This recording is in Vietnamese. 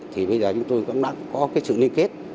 thì bây giờ chúng tôi cũng đã có cái sự liên kết